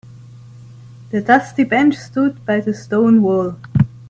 The dusty bench stood by the stone wall.